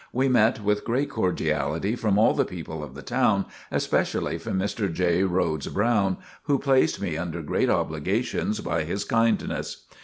We met with great cordiality from all the people of the town, especially from Mr. J. Rhodes Brown, who placed me under great obligations by his kindness.